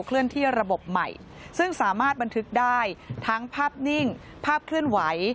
เคลื่อนที่ระบบใหม่ซึ่งสามารถบันทึกได้ทั้งภาพนิ่งภาพเคลื่อนไหว